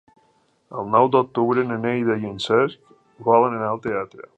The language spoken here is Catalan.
El nou d'octubre na Neida i en Cesc volen anar al teatre.